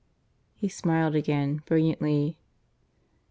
He smiled again, brilliantly.